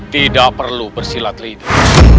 tidak perlu bersilat lidah